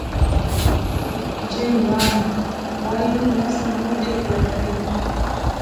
جیم ران وایي نظم موخې پوره کوي.